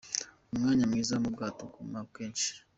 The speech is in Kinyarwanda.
Umwanya mwiza mu bwato ugura menshi.